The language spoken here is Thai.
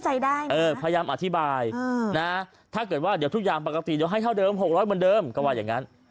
พยายามอธิบายนะถ้าเกิดว่าเดี๋ยวทุกอย่างปกติเดี๋ยวให้เท่าเดิม๖๐๐เหมือนเดิมก็ว่าอย่างนั้น